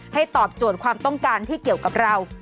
ตอบโจทย์ความต้องการที่เกี่ยวกับเรา